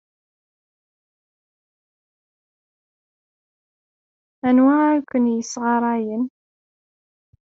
Anwa ay ken-yessɣarayen?